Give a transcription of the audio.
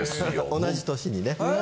同じ年にねええ。